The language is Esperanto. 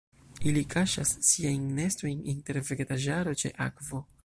Ili kaŝas siajn nestojn inter vegetaĵaro ĉe akvo.